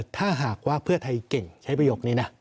ถ้าหากว่าเพื่อไทยเก่งใช้ประโยคนี้นะ